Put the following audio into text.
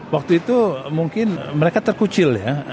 waktu itu mungkin mereka terkucil ya